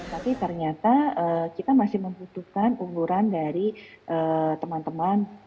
tapi ternyata kita masih membutuhkan umuran dari teman teman